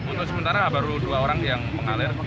untuk sementara baru dua orang yang mengalir